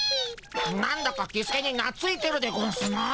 なんだかキスケになついてるでゴンスな。